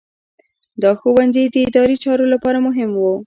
دا ښوونځي د اداري چارو لپاره مهم وو.